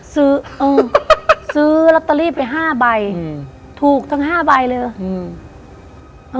ซื้อเออซื้อลอตเตอรี่ไปห้าใบอืมถูกทั้งห้าใบเลยอืม